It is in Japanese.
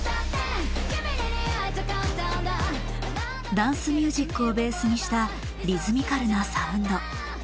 ダンスミュージックをベースにしたリズミカルなサウンド。